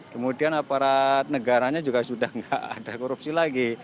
kemudian aparat negaranya juga sudah tidak ada korupsi lagi